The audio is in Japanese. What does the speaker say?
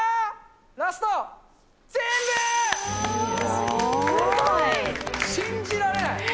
すごい！信じられない。